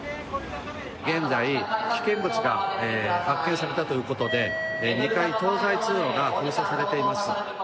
現在危険物が発見されたということで２階東西通路が封鎖されています。